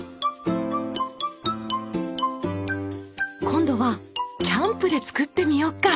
今度はキャンプで作ってみようか！